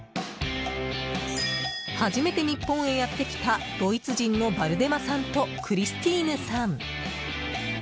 初めて日本へやってきたドイツ人のヴァルデマさんとクリスティーヌさん。